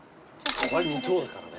これ２等だからね。